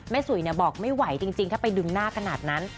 สุยบอกไม่ไหวจริงถ้าไปดึงหน้าขนาดนั้น